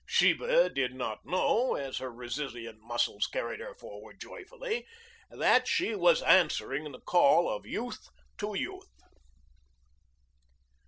Sheba did not know, as her resilient muscles carried her forward joyfully, that she was answering the call of youth to youth.